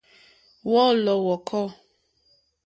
Wɔ̀ɔ́lɔ̀ wɔ̀kɔ́.